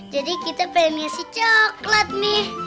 jadi kita pengen ngasih coklat nih